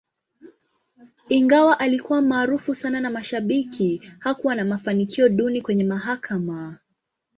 Ingawa alikuwa maarufu sana na mashabiki, hakuwa na mafanikio duni kwenye mahakama.